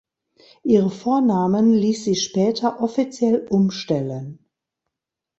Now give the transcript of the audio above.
Ihre Vornamen ließ sie später offiziell umstellen.